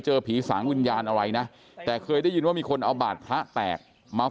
เจอผีสางวิญญาณอะไรนะแต่เคยได้ยินว่ามีคนเอาบาดพระแตกมา